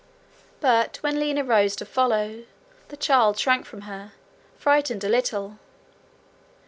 But when Lina rose to follow, the child shrank from her, frightened a little.